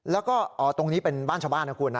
แล้วก็ตรงนี้เป็นบ้านชาวบ้านนะคุณนะ